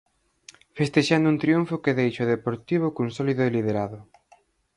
Festexando un triunfo que deixa o Deportivo cun sólido liderado.